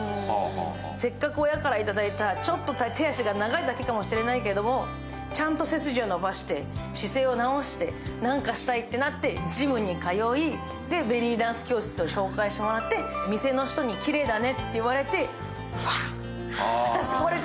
せっかく親からいただいたちょっと手足が長いだけかもしれないけれどもちゃんと背筋を伸ばして、姿勢を直して、何かしたいってなって、ジムに通い、ベリーダンス教室を紹介してもらって、開花したんだね。